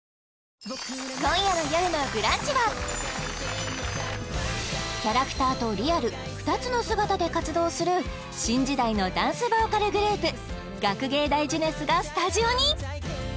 今夜の「よるのブランチ」はキャラクターとリアル２つの姿で活動する新時代のダンスボーカルグループ学芸大青春がスタジオに！